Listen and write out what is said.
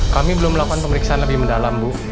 kami belum melakukan pemeriksaan lebih mendalam bu